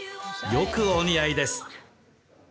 よくお似合いです。